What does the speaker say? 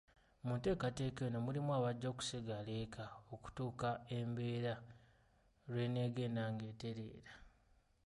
Mu nteekateka eno mulimu abajja okusigala eka okutuuka embeera lwe neegenda ng'etereera.